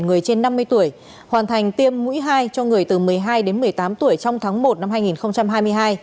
người trên năm mươi tuổi hoàn thành tiêm mũi hai cho người từ một mươi hai đến một mươi tám tuổi trong tháng một năm hai nghìn hai mươi hai